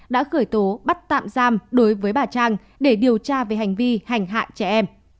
đã khởi tố bắt tạm giam đối với bà trang để điều tra về hành vi hành hạ trẻ em